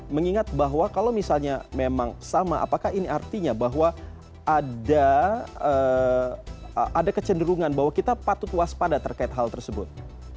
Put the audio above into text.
mengingat bahwa kalau misalnya memang sama apakah ini artinya bahwa ada kecenderungan bahwa kita patut waspada terkait hal tersebut